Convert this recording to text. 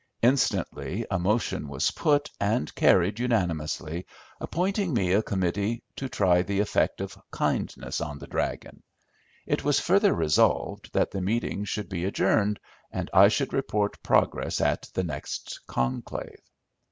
Instantly a motion was put, and carried unanimously, appointing me a committee to try the effect of kindness on the "dragon." It was further resolved that the meeting should be adjourned, and I should report progress at the next conclave.